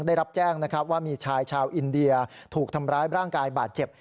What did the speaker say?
ได้รับแจ้งนะครับว่ามีชายชาวอินเดียถูกทำร้ายร่างกายบาดเจ็บ